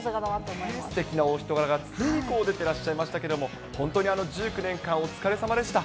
すてきなお人柄が常に出てらっしゃいましたけど、本当に１９年間、お疲れさまでした。